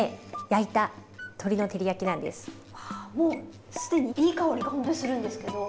あもう既にいい香りがほんとにするんですけど。